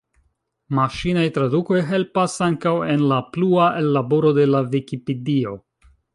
Maŝinaj tradukoj helpas ankaŭ en la plua ellaboro de la Vikipedio.